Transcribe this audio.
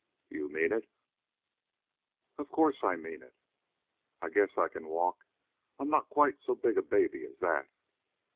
"You mean it?" "Of course I mean it." "I guess I can walk. I'm not quite so big a baby as that."